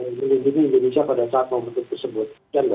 ini menjadi indonesia pada saat momen tersebut